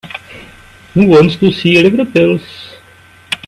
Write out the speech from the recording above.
Who wants to see liver pills?